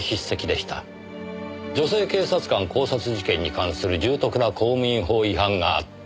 「女性警察官絞殺事件に関する重篤な公務員法違反があった」